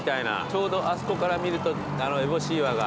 ちょうどあそこから見るとえぼし岩が。